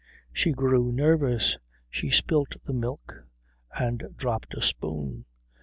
She grew nervous. She spilt the milk and dropped a spoon.